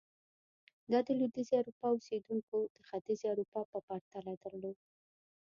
دا د لوېدیځې اروپا اوسېدونکو د ختیځې اروپا په پرتله درلود.